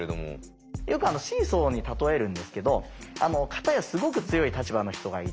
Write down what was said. よくシーソーに例えるんですけど片やすごく強い立場の人がいる。